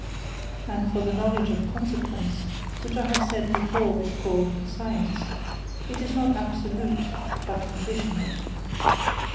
And for the knowledge of consequence, which I have said before is called Science, it is not Absolute, but Conditionall.